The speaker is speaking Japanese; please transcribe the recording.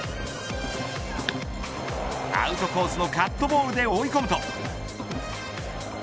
アウトコースのカットボールで追い込むと。